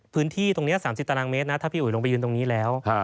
พื้นที่ตรงนี้๓๐ตารางเมตรนะถ้าพี่อุ๋ยลงไปยืนตรงนี้แล้ว